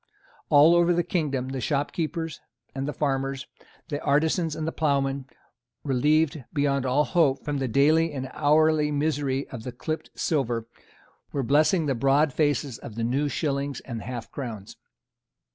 All over the kingdom the shopkeepers and the farmers, the artisans and the ploughmen, relieved, beyond all hope, from the daily and hourly misery of the clipped silver, were blessing the broad faces of the new shillings and half crowns.